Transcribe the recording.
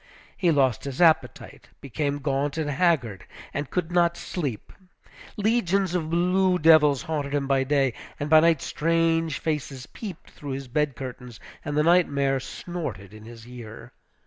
He lost his appetite, became gaunt and haggard, and could get no sleep. Legions of blue devils haunted him by day, and by night strange faces peeped through his bed curtains, and the nightmare snorted in his ear.